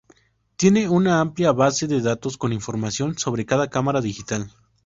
Tiene una amplia base de datos con información sobre cada cámara digital.